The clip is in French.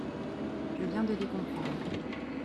Je viens de les comprendre.